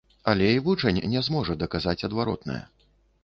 Але і вучань не зможа даказаць адваротнае.